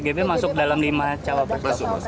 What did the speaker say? gb masuk dalam lima cawapres